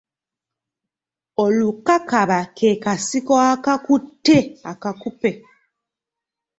Olukakaba ke kasiko akakutte akakupe.